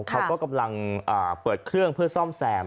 เขาก็กำลังเปิดเครื่องเพื่อซ่อมแซม